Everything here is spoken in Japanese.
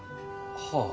はあ。